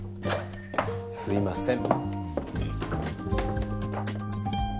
すいません。